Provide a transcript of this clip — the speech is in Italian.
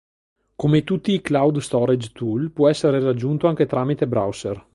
Come tutti i "cloud storage tool" può essere raggiunto anche tramite browser.